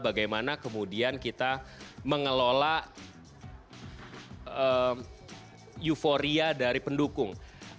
bagaimana kemudian kita mengelola euforia dari pendukung